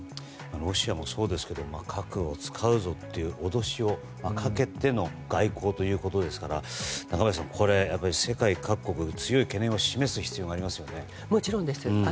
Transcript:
ロシアもそうですけど核を使うぞという脅しをかけての外交ということですから中林さん世界各国強い懸念をもちろんです。